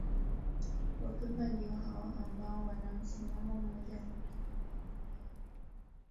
Wapemba ndio hawa ambao wana msimamo mmoja kwa kila maamuzi yao